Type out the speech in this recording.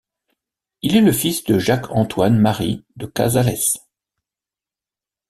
Il est le fils de Jacques Antoine Marie de Cazalès.